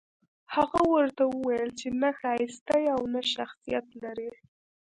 هغه ورته وويل چې نه ښايسته يې او نه شخصيت لرې.